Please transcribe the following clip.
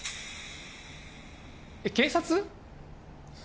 えっ警察！？